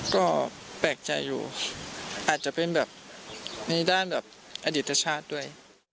ก็แปลกใจอยู่อาจจะเป็นแบบในด้านแบบอดิตชาติด้วย